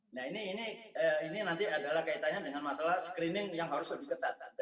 nah ini nanti adalah kaitannya dengan masalah screening yang harus lebih ketat